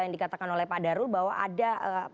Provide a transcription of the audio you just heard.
yang dikatakan oleh pak darul bahwa ada